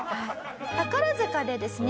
宝塚でですね